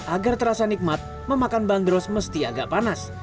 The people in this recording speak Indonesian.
agar terasa nikmat memakan bandros mesti agak panas